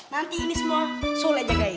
nanti ini semua sule jagain